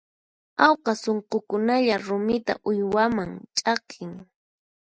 Awqa sunqukunalla rumita uywaman ch'aqin.